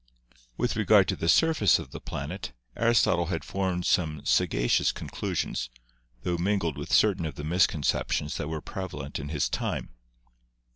With regard to the surface of the planet, Aristotle had formed some sagacious conclusions, tho mingled with certain of the misconceptions that were prevalent in his time.